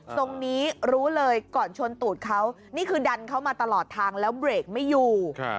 ตรงนี้รู้เลยก่อนชนตูดเขานี่คือดันเขามาตลอดทางแล้วเบรกไม่อยู่